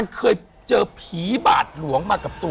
พิพิธภัณฑ์